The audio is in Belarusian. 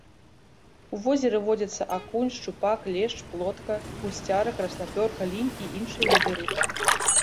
У возеры водзяцца акунь, шчупак, лешч, плотка, гусцяра, краснапёрка, лінь і іншыя віды рыб.